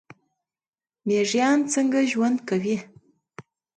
میږیان څنګه ژوند کوي؟